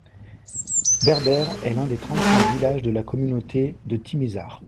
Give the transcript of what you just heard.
Berber est l'un des trente-cinq villages de la commune de Timizart.